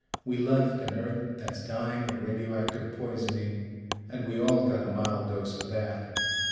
We left an Earth that's dying of radioactive poisoning, and we all got a mild dose of that.